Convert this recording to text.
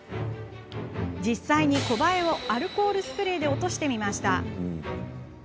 実際にコバエをアルコールスプレーで落としてみました。